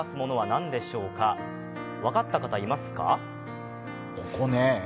分かった方、いますか？